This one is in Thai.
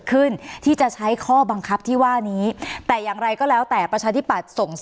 ที่จะใช้ข้อบังคับที่ว่านี้แต่อย่างไรก็แล้วแต่ประชาธิปัตย์ส่ง